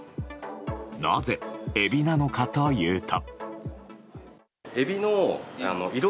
なぜエビなのかというと。